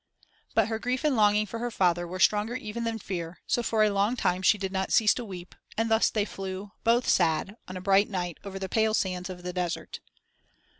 But her grief and longing for her father were stronger even than fear; so for a long time she did not cease to weep and thus they flew, both sad, on a bright night, over the pale sands of the desert.